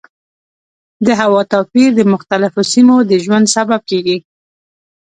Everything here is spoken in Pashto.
د هوا توپیر د مختلفو سیمو د ژوند سبب کېږي.